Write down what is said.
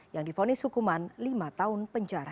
yang difonis hukuman lima tahun penjara